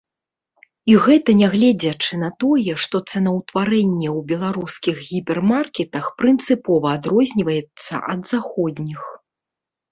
І гэта нягледзячы на тое, што цэнаўтварэнне ў беларускіх гіпермаркетах прынцыпова адрозніваецца ад заходніх.